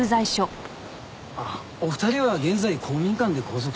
お二人は現在公民館で拘束中です。